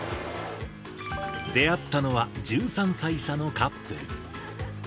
出会ったのは、１３歳差のカップル。